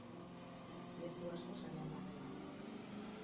Mezu asko sarean barrena.